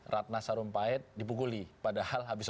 ratna sarumpait dibukuli padahal habis obat